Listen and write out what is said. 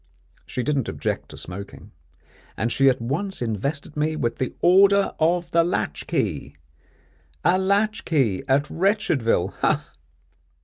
She didn't object to smoking; and she at once invested me with the Order of the Latchkey a latchkey at Wretchedville, ha! ha!